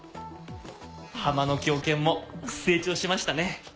「ハマの狂犬」も成長しましたね。